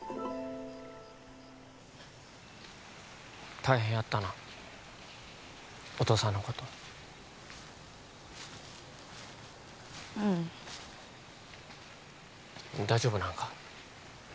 大変やったなお父さんのことうん大丈夫なんか？